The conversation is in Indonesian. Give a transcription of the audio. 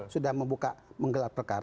sudah membuka menggelar perkara